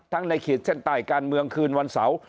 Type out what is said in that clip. ทั้งในขีดใต้การเมืองคืนวันเสา